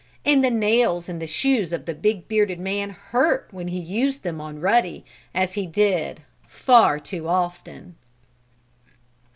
And the nails in the shoes of the big bearded man hurt when he used them on Ruddy as he did far too often.